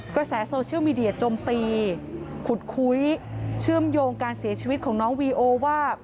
กระแสโซเชียลมีเดียจมตีขุดคุยเชื่อมโยงการเสียชีวิตของน้องวีโอว่า